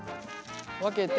分けて。